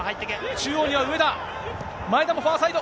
中央には前田、前田もファーサイド。